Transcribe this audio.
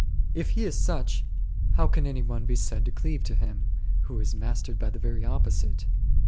If He is such, how can any one be said to cleave to Him, who is mastered by the very opposite